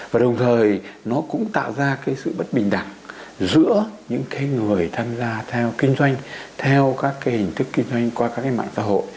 và đồng thời nó cũng tạo ra cái sự bất bình đẳng giữa những người tham gia theo kinh doanh theo các cái hình thức kinh doanh qua các cái mạng xã hội